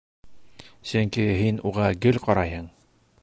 Сөнки һин уға гел ҡарайһың!